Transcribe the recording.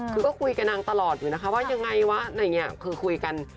คือก็คุยกับนางตลอดอยู่นะคะว่ายังไงวะคือคุยกัน